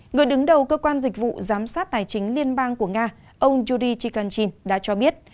người đứng đầu cơ quan dịch vụ giám sát tài chính liên bang của nga ông yudi chikanchin đã cho biết